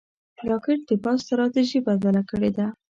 راکټ د پوځ ستراتیژي بدله کړې ده